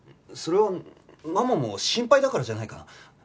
それはママも心配だからじゃないかな？